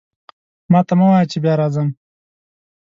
ماته مه وایه چې بیا راځم.